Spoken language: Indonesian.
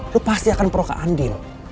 lu pasti akan perluka andi